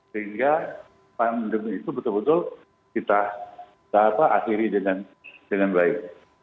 sehingga pandemi itu betul betul kita akhiri dengan baik